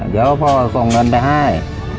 เดี๋ยวพ่อส่งเงินไปให้